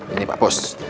ini pak bos